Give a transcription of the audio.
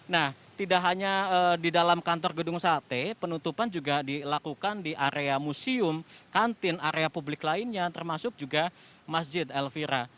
nah tidak hanya di dalam kantor gedung sate penutupan juga dilakukan di area museum kantin area publik lainnya termasuk juga masjid elvira